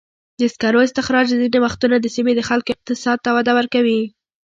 د سکرو استخراج ځینې وختونه د سیمې د خلکو اقتصاد ته وده ورکوي.